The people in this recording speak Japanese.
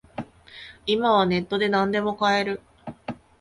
今はネットでなんでも買える